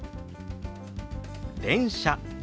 「電車」。